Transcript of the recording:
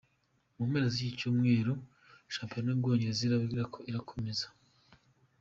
Mu mpera z’iki cy’umweru shampiyona y’Ubwongereza iraba irakomeza.